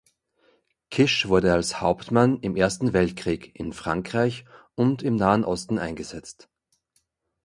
Kisch wurde als Hauptmann im Ersten Weltkrieg in Frankreich und im Nahen Osten eingesetzt.